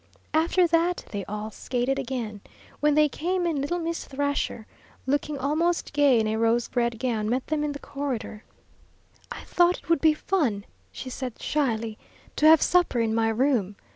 After that they all skated again. When they came in, little Miss Thrasher, looking almost gay in a rose red gown, met them in the corridor. "I thought it would be fun," she said, shyly, "to have supper in my room.